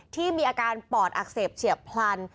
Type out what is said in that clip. ที่มีอาการปอดอักเสบเฉียบพลัน